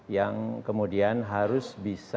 yang kemudian harus bisa